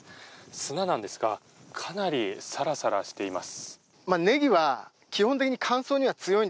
砂なんですが、かなりサラサラしています。